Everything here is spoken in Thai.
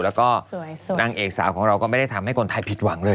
แล้วก็นางเอกสาวของเราก็ไม่ได้ทำให้คนไทยผิดหวังเลย